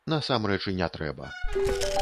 Насамрэч і не трэба.